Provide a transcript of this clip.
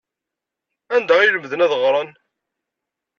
Anda ay lemden ad ɣren?